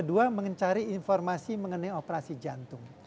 kedua mencari informasi mengenai operasi jantung